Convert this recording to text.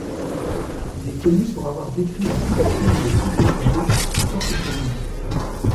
Il est connu pour avoir décrit la fracture de Pouteau-Colles qui porte son nom.